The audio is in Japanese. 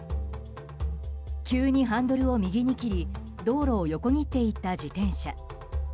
急にハンドルを右に切り道路を横切っていった自転車。